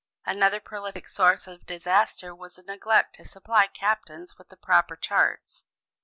Another prolific source of disaster was the neglect to supply captains with the proper charts.